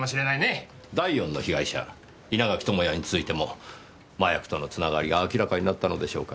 第４の被害者稲垣智也についても麻薬との繋がりが明らかになったのでしょうか？